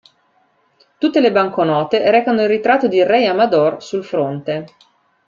Tutte le banconote recano il ritratto di Rei Amador sul fronte.